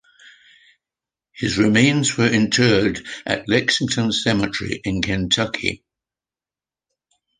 His remains were interred at Lexington Cemetery in Kentucky.